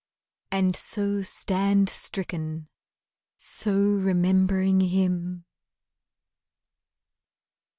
And so stand stricken, so remembering him!